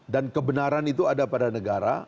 dan kebenaran itu ada pada negara